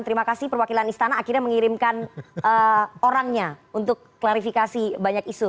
terima kasih perwakilan istana akhirnya mengirimkan orangnya untuk klarifikasi banyak isu